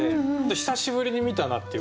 久しぶりに見たなっていう。